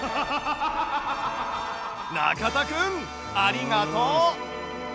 中田くんありがとう！